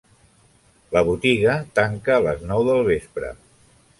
La botiga tanca a les nou del vespre.